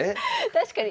確かに。